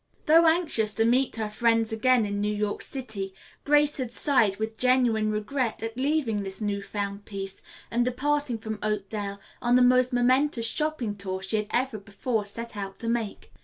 Though anxious to meet her friends again in New York City, Grace had sighed with genuine regret at leaving this new found peace and departing from Oakdale on the most momentous shopping tour she had ever before set out to make.